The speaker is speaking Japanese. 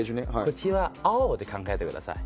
こっちは青で考えてください。